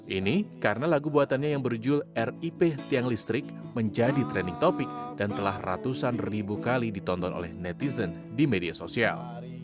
ini karena lagu buatannya yang berjul rip tiang listrik menjadi trending topic dan telah ratusan ribu kali ditonton oleh netizen di media sosial